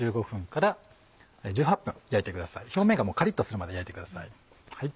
表面がカリっとするまで焼いてください。